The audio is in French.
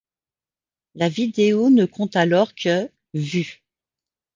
La vidéo ne compte alors que vues.